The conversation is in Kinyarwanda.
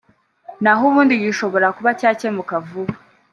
na ho ubundi gishobora kuba cyakemuka vuba